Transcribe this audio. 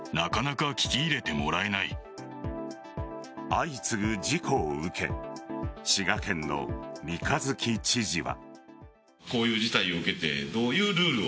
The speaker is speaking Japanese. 相次ぐ事故を受け滋賀県の三日月知事は。